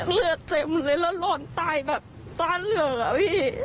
เลือดเต็มเลยแล้วร้อนตายแบบตาเหลืออะพี่